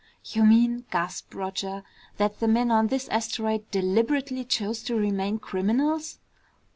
"You mean," gasped Roger, "that the men on this asteroid deliberately chose to remain criminals?"